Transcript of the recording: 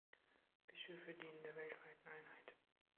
Bischöfe dienen der weltweiten Einheit.